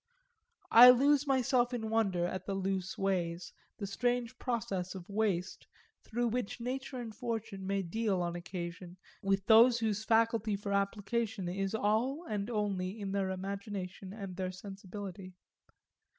I lose myself in wonder at the loose ways, the strange process of waste, through which nature and fortune may deal on occasion with those whose faculty for application is all and only in their imagination and their sensibility.